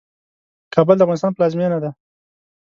کابل د افغانستان پلازمينه ده.